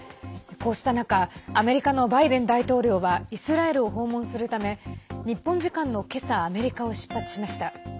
こうした中アメリカのバイデン大統領はイスラエルを訪問するため日本時間の今朝アメリカを出発しました。